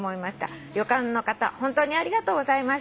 「旅館の方本当にありがとうございました」